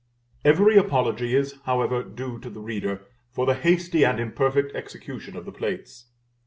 Every apology is, however, due to the reader, for the hasty and imperfect execution of the plates.